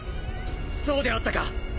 そうであったか。